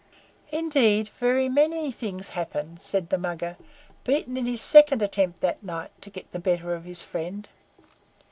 "Indeed, very many things happened," said the Mugger, beaten in his second attempt that night to get the better of his friend.